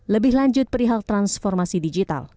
lebih lanjut perihal transformasi digital